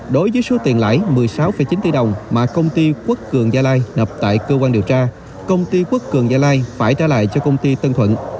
đối với số tiền lãi một mươi sáu chín tỷ đồng mà công ty quốc cường gia lai nập tại cơ quan điều tra công ty quốc cường gia lai phải trả lại cho công ty tân thuận